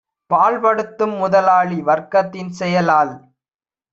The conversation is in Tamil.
பாழ்படுத்தும் முதலாளி வர்க்கத்தின் செயலால்